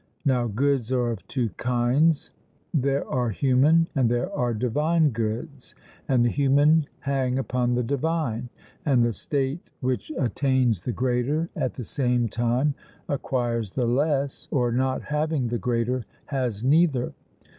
Now goods are of two kinds: there are human and there are divine goods, and the human hang upon the divine; and the state which attains the greater, at the same time acquires the less, or, not having the greater, has neither.